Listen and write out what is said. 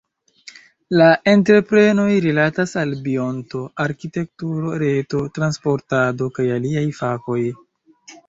La entreprenoj rilatas al bionto, arkitekturo, reto, transportado kaj aliaj fakoj.